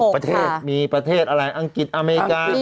ประเทศมีประเทศอะไรอังกฤษอเมริกา